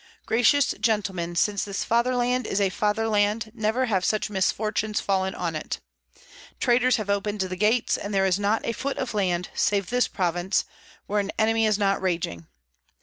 Gracious gentlemen, since this fatherland is a fatherland never have such misfortunes fallen on it. Traitors have opened the gates, and there is not a foot of land, save this province, where an enemy is not raging.